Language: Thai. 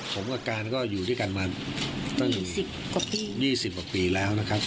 ผมกับการก็อยู่ด้วยกันมาตั้ง๒๐กว่าปีแล้วนะครับ